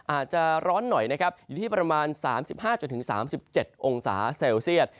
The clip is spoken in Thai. อาจจะร้อนหน่อยนะครับอยู่ที่ประมาณ๓๕๓๗องศาเซลเซียต